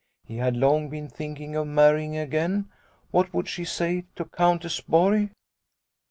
He had long been thinking of marrying again. What would she say to Countess Borg ?